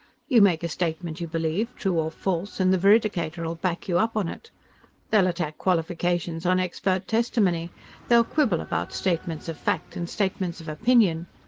You make a statement you believe, true or false, and the veridicator'll back you up on it. They'll attack qualifications on expert testimony. They'll quibble about statements of fact and statements of opinion.